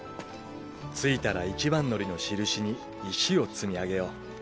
着いたら一番乗りのしるしに石を積み上げよう。